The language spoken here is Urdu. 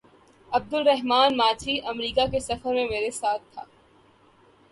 عبدالرحمٰن ماچھی امریکہ کے سفر میں میرے ساتھ تھا۔